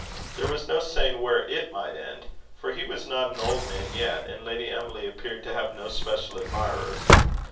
There was no saying where it might end; for he was not an old man yet, and Lady Emily appeared to have no special admirers.